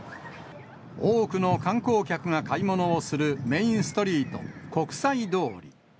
多くの観光客が買い物をするメインストリート、国際通り。